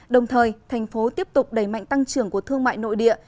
đồng thời tp tiếp tục đẩy mạnh tăng trưởng của thương mại nội địa